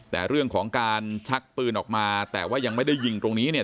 แต่เรื่องของการชักปืนออกมาแต่ว่ายังไม่ได้ยิงตรงนี้เนี่ย